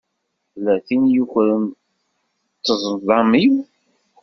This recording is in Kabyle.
Tella tin i yukren ṭṭezḍam-iw.